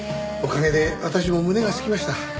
おかげで私も胸がすきました。